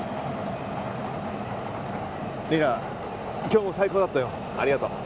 今日も最高だったよありがとう。